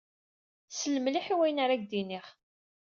Sel mliḥ i wayen ara ak-d-iniɣ.